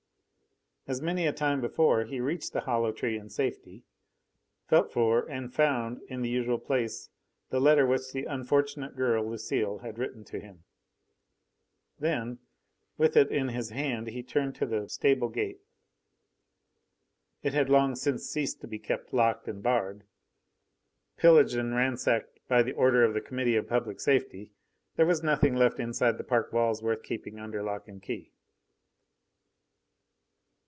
As many a time before, he reached the hollow tree in safety, felt for and found in the usual place the letter which the unfortunate girl Lucile had written to him. Then, with it in his hand, he turned to the stable gate. It had long since ceased to be kept locked and barred. Pillaged and ransacked by order of the Committee of Public Safety, there was nothing left inside the park walls worth keeping under lock and key.